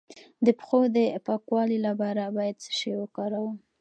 د پښو د پاکوالي لپاره باید څه شی وکاروم؟